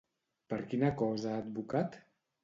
Per quina cosa ha advocat?